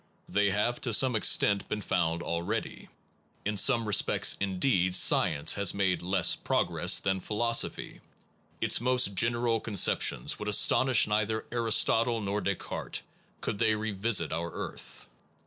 They have, to some extent, been found already. In some respects, indeed, science has made less progress than philosophy its most general conceptions would astonish neither Aristotle nor Descartes, could they revisit our earth.